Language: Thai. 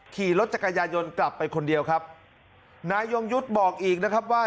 ขี่รถจักรยายนกลับไปคนเดียวครับนายยงยุทธ์บอกอีกนะครับว่า